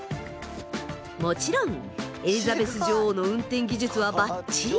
もちろんエリザベス女王の運転技術はばっちり！